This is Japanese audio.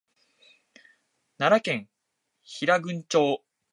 奈良県平群町